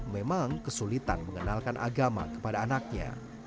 memang kesulitan mengenalkan agama kepada anaknya